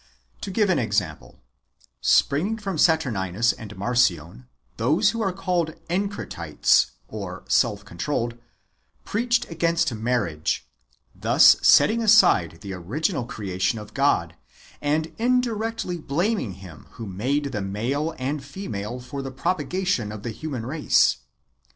To give an example: Springing from Saturninus and Marcion, those who are called Encratites (self controlled) preached against marriage, thus settino; aside the orimnal creation of God, and indi CD O ' rectly blaming Him who made the male and female for the propagation of the human race.